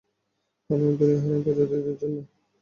হারানো দুনিয়া হারানো প্রজাতিদের জন্য!